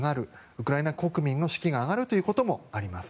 ウクライナ国民の士気が上がるということもあります。